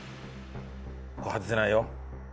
ここは外せないよ。